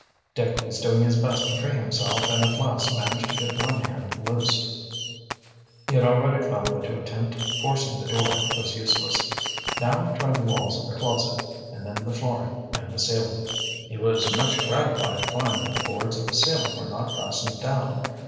Dick was doing his best to free himself and at last managed to get one hand loose. He had already found that to attempt forcing the door was useless. Now he tried the walls of the closet and then the flooring and the ceiling. He was much gratified to find that the boards of the ceiling were not fastened down.